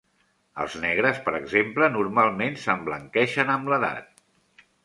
Els negres, per exemple, normalment s'emblanqueixen amb l'edat.